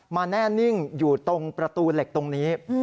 แน่นิ่งอยู่ตรงประตูเหล็กตรงนี้